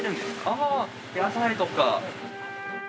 あ野菜とか。